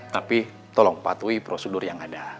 tapi tolong patuhi prosedur yang ada